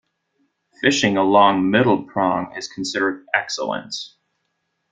Fishing along Middle Prong is considered excellent.